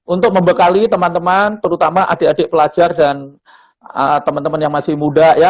untuk membekali teman teman terutama adik adik pelajar dan teman teman yang masih muda ya